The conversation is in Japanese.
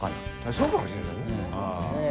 そうかもしれないよ。